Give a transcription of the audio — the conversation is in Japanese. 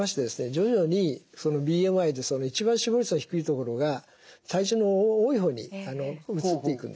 徐々にＢＭＩで一番死亡率が低いところが体重の多い方に移っていくんですね。